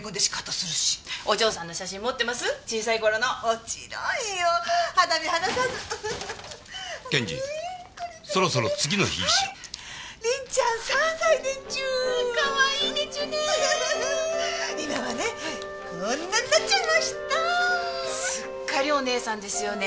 すっかりお姉さんですよね。